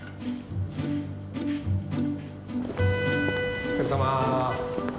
お疲れさま。